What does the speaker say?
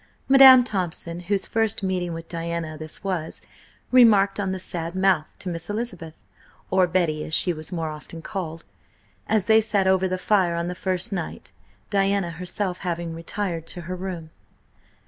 Madam Thompson, whose first meeting with Diana this was, remarked on the sad mouth to Miss Elizabeth, or Betty as she was more often called, as they sat over the fire on the first night, Diana herself having retired to her room.